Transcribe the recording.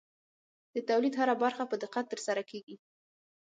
د تولید هره برخه په دقت ترسره کېږي.